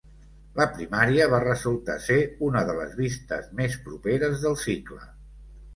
La primària va resultar ser una de les vistes més properes del cicle.